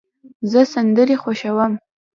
زه سندرې خوښوم.